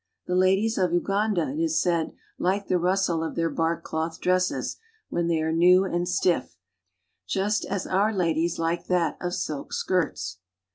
The ladies of Uganda, it is said, like the rustle of their bark cloth dresses, when they are new and stiff, just as our ladies like that of ] silk skirts.